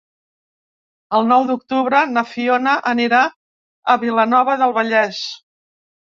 El nou d'octubre na Fiona anirà a Vilanova del Vallès.